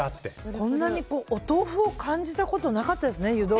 こんなにお豆腐を湯豆腐で感じたことなかったです。